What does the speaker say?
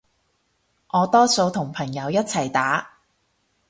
我多數同朋友一齊打